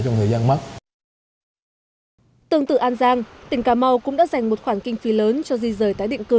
tương tự an giang tỉnh cà mau cũng đã dành một khoản kinh phí lớn cho di rời tái định cư